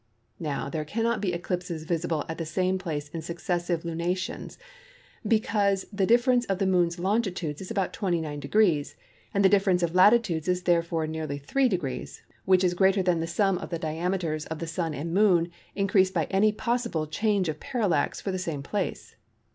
Now there cannot be eclipses visible at the same place in successive lunations, because the difference of the Moon's longitudes is about 29°, and the difference of latitudes is therefore nearly 3°, which is greater than the sum of the diameters of the Sun and Moon increased by any possible change of parallax for the same place.